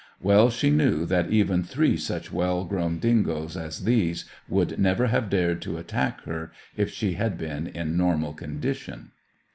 Well she knew that even three such well grown dingoes as these would never have dared to attack her if she had been in normal condition.